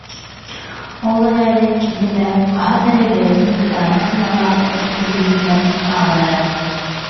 Ол эрээри кини да хаһан эрэ бэйэтин кытаанах санаалаах эр киһи быһыытынан ааҕынара